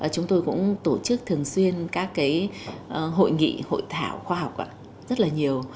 chúng tôi cũng tổ chức thường xuyên các cái hội nghị hội thảo khoa học ạ rất là nhiều